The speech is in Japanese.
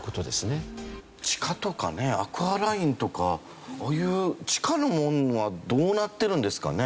地下とかねアクアラインとかああいう地下のものはどうなってるんですかね？